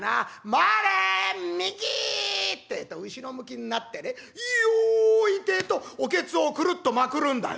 『回れ右！』ってえと後ろ向きになってね『用意』ってえとおケツをくるっとまくるんだよ」。